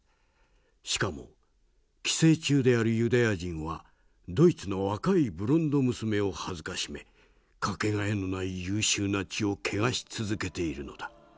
しかも寄生虫であるユダヤ人はドイツの若いブロンド娘を辱め掛けがえのない優秀な血を汚し続けているのだ。